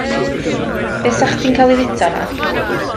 Be' 'sa chdi'n gael i fyta yna?